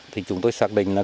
thì chúng tôi xác định là